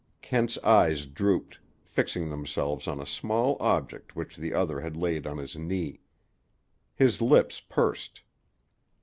Kent's eyes drooped, fixing themselves on a small object which the other had laid on his knee. His lips pursed.